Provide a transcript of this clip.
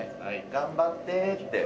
頑張ってって。